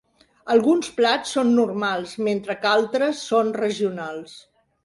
Alguns plats són normals mentre que altres són regionals.